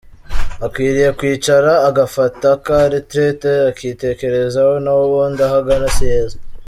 akwiriye kwicara agafata ka retreat akitekerezaho nahubundi aho agana si heza.